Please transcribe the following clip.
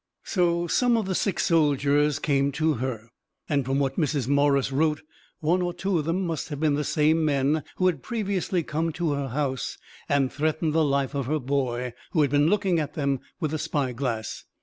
So some of the sick soldiers came to her; and from what Mrs. Morris wrote, one or two of them must have been the same men who had previously come to her house and threatened the life of her boy, who had been looking at them with a spyglass.